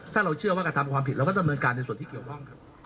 ถ้าเราเชื่อว่ากระทำความผิดเราก็ดำเนินการในส่วนที่เกี่ยวข้องครับ